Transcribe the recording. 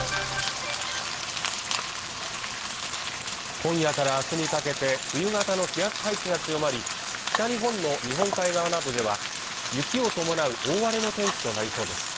今夜からあすにかけて冬型の気圧配置が強まり北日本の日本海側などでは雪を伴う大荒れの天気となりそうです